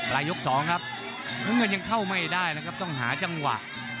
ยก๒ครับน้ำเงินยังเข้าไม่ได้นะครับต้องหาจังหวะ